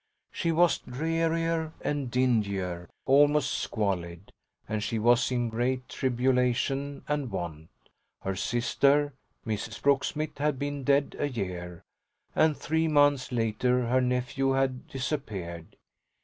She was drearier and dingier, almost squalid, and she was in great tribulation and want. Her sister, Mrs. Brooksmith, had been dead a year, and three months later her nephew had disappeared.